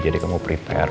jadi kamu prepare